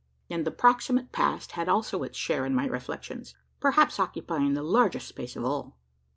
And the proximate past had also its share in my reflections perhaps occupying the largest space of all.